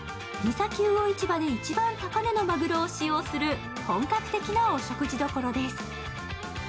三崎魚市場で一番高値のまぐろを使用する、本格的なお食事どころです。